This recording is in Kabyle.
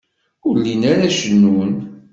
Ur llin ara cennun.